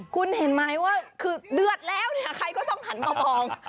คุณเห็นไหมว่าคือเดือดแล้วเนี่ยใครก็ต้องหันมามอง